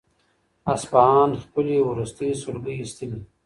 اصفهان خپلې وروستۍ سلګۍ ایستلې.